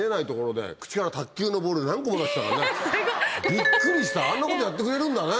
ビックリしたあんなことやってくれるんだね。